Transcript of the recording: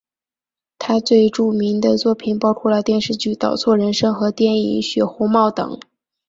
他最著名的作品包括了电视剧倒错人生和电影血红帽等。